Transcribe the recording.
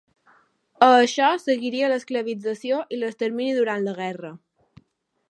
A això seguiria l'esclavització i l'extermini durant la guerra.